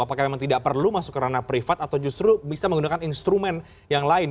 apakah memang tidak perlu masuk ke ranah privat atau justru bisa menggunakan instrumen yang lain